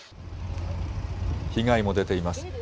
被害も出ています。